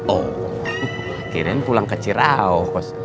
oh akhirnya pulang ke cirehouse